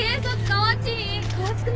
かわちい。